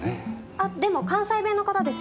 あっでも関西弁の方ですよ。